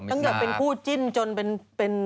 ตั้งแต่เป็นคู่จิ้นจนเป็น